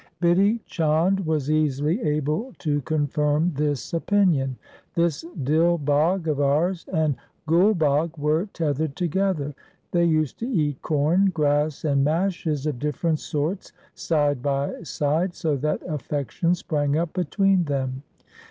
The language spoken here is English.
Bidhi Chand was easily able to confirm this opinion. ' This Dil Bagh of ours and Gul Bagh were tethered together. They used to eat corn, grass, and mashes of different sorts side by side, so that affection sprang up between them.